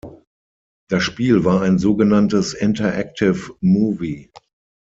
Das Spiel war ein sogenanntes Interactive Movie.